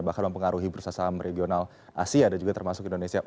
bahkan mempengaruhi bursa saham regional asia dan juga termasuk indonesia